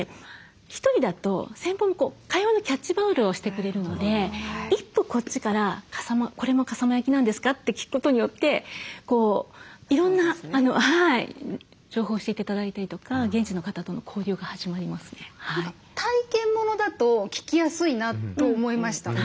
１人だと先方も会話のキャッチボールをしてくれるので一歩こっちから「これも笠間焼なんですか？」って聞くことによっていろんな情報を教えて頂いたりとか何か体験モノだと聞きやすいなと思いました。